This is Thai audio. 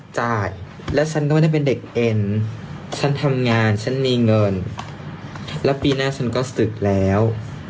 ฉันทำงานฉันมีเงินแล้วปีหน้าฉันก็ศึกแล้ว